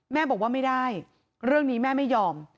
แม่บอกว่าไม่ได้เรื่องนี้แม่ไม่ยอม